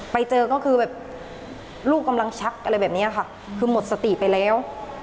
ไปเจอก็คือแบบลูกกำลังชักอะไรแบบนี้ค่ะคือหมดสติไปแล้ว